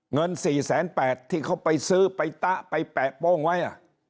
เงิน๔๘๐๐ที่เขาไปซื้อไปตะไปแปะโป้งไว้